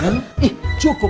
ih cukup atukum